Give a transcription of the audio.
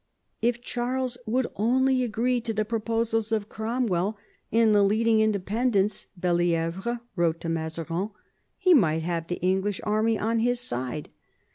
If Charles would only agree to the proposajs of Cromwell and the leading Independents, Belli^vre wrote to Mazarin, he might have the English army on his side.